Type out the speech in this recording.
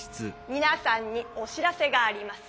みなさんにお知らせがあります。